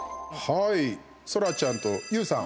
そらちゃんとＹＯＵさん